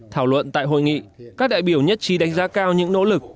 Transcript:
thảo luận tại hội nghị các đại biểu nhất trí đánh giá cao những nỗ lực